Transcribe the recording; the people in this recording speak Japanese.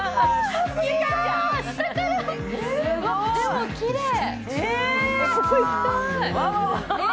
画もきれい。